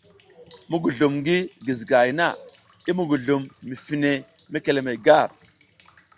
Muguzlum ngi gizigahay na i muguzlum mi fine mekelemey gar.